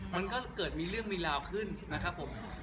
มันก็เกิดมีเรื่องมีราวขึ้นนะครับผม